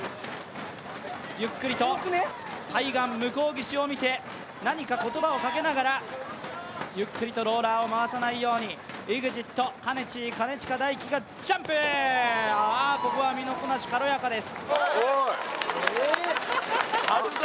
ゆっくりと対岸、向こう岸を見て何か言葉をかけながらゆっくりとローラーを回さないようにＥＸＩＴ、かねちー、兼近大樹がここは身のこなし、軽やかです。